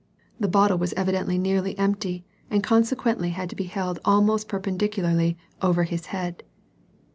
The bottle was evidently nearly empty and conse quently had to be held almost perpendicularly over his head.